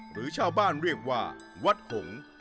หรือชาวบ้านเรียกว่าวัดหงษ์